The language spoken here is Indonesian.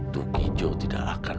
tukijo tidak akan